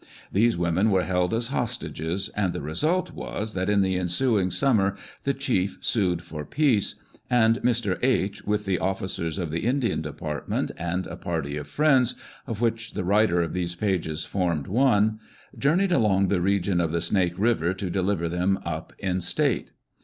These women were held as hostages, and the result was that in the ensuing summer the chief sued for peace, and Mr. H., with the officers of the Indian department, and a party of friends, of which the writer of these pages formed one, journeyed along the region of the Snake River to deliver them up in state.